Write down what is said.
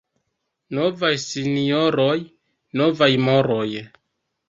Novaj sinjoroj — novaj moroj.